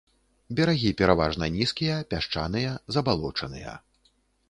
Берагі пераважна нізкія, пясчаныя, забалочаныя.